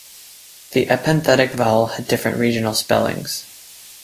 The epenthetic vowel had different regional spellings.